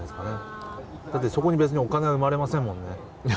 だってそこに別にお金が生まれませんもんね。